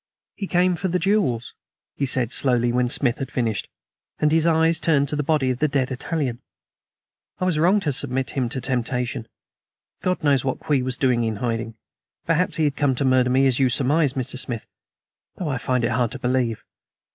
"He came for the jewels," he said slowly, when Smith was finished; and his eyes turned to the body of the dead Italian. "I was wrong to submit him to the temptation. God knows what Kwee was doing in hiding. Perhaps he had come to murder me, as you surmise, Mr. Smith, though I find it hard to believe.